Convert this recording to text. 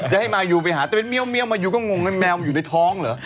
จะให้มายูไปหาแต่เป็นเมียวมายูก็งงแมวมันอยู่ในท้องเหรอ